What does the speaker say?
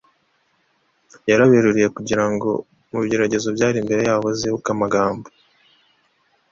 yaraberuriye kugira ngo mu bigeragezo byari imbere yabo bazibuke amagambo